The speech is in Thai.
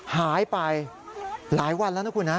หายไปหลายวันแล้วนะคุณนะ